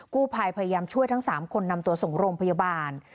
กู้ภัยพยายามช่วยทั้ง๓คนนำตัวส่งโรงพยาบาล